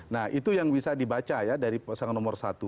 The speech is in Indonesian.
nah itu yang bisa dibaca ya dari pasangan nomor satu